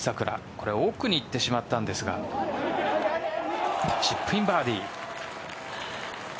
これは奥にいってしまったんですがチップインバーディー。